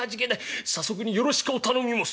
早速によろしくお頼み申す」。